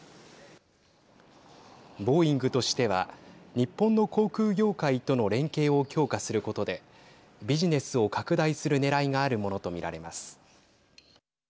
ボーイングとしては日本の航空業界との連携を強化することでビジネスを拡大するねらいがあるものと見られます。